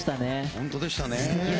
本当でしたね。